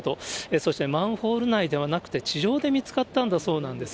そしてマンホール内ではなくて、地上で見つかったんだそうなんです。